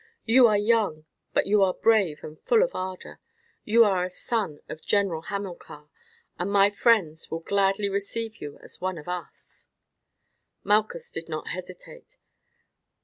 You are young, but you are brave and full of ardour; you are a son of General Hamilcar, and my friends will gladly receive you as one of us." Malchus did not hesitate.